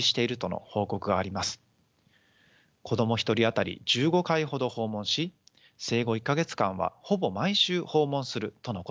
子ども１人当たり１５回ほど訪問し生後１か月間はほぼ毎週訪問するとのことです。